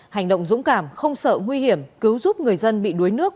hành động dũng cảm không sợ nguy hiểm cứu giúp người dân bị đuối nước